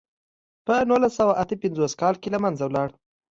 په نولس سوه اته پنځوس کال کې له منځه لاړ.